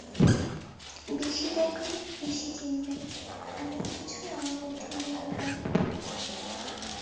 বেশি দেখলে বেশি চিনবেন, এমন কিছুই আমার মধ্যে নেই ভাই।